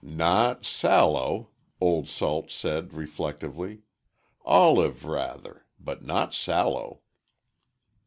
"Not sallow," Old Salt said, reflectively; "olive, rather—but not sallow."